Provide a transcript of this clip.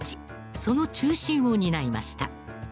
その中心を担いました。